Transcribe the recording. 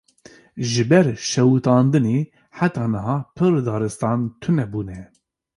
Ji ber şewitandinê, heta niha pir daristan tune bûne